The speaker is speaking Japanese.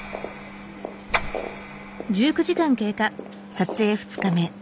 撮影２日目。